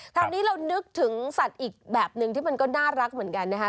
คราวนี้เรานึกถึงสัตว์อีกแบบหนึ่งที่มันก็น่ารักเหมือนกันนะคะ